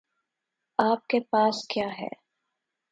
آپ کے پاس کیا ہے؟